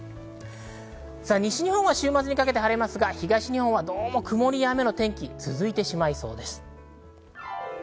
西日本は週末にかけて晴れますが東日本はどうも曇り雨の天気続きそうです。